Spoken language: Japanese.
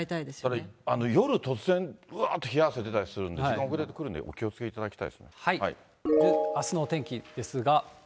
それ、夜、突然うわーっと冷や汗出たりするんで、遅れてくるんで、あすのお天気ですが。